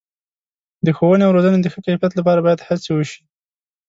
د ښوونې او روزنې د ښه کیفیت لپاره باید هڅې وشي.